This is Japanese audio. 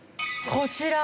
こちら。